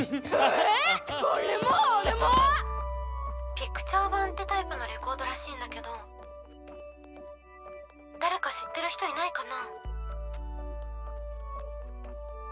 「ピクチャー盤ってタイプのレコードらしいんだけど誰か知ってる人いないかな？」。